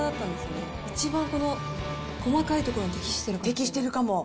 一番この細かいところに適してる感じ。